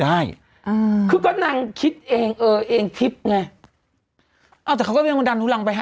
ได้อือก็นั่งคิดเองเออเองอ่ะเขาก็ก็มาดันถุรังไป